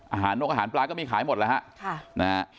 อาหารนกอาหารปลาก็มีขายหมดแล้วฮะค่ะนะฮะ